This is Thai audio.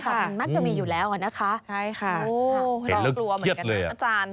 กลัวเหมือนกันเลยอาจารย์